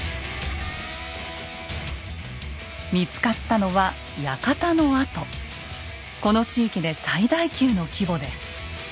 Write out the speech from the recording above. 見つかったのはこの地域で最大級の規模です。